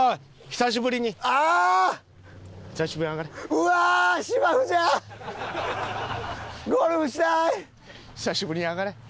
久しぶりに上がれ。